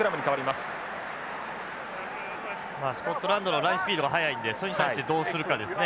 まあスコットランドのラインスピードが速いのでそれに対してどうするかですね。